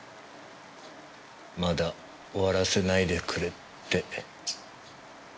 まだ終わらせないでくれって。